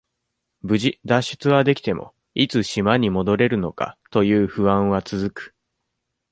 無事、脱出はできても、いつ島に戻れるのか、という不安は続く。